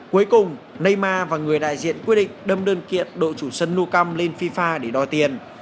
cuối cùng neymar và người đại diện quyết định đâm đơn kiện đội chủ sân nou camp lên fifa để đòi tiền